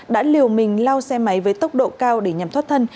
đã liều mình lao xe máy với tốc độ cao để nhằm thoát thân